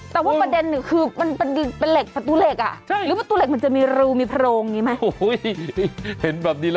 แต่ว่าประเด็นที่คือเป็นเหล็กประตูเหล็กอ่ะหรือประตูเหล็กมันจะมีรูมีพรงแบบนี้มั้ย